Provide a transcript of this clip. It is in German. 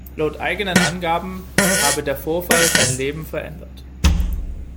Laut eigenen Angaben habe der Vorfall sein Leben verändert.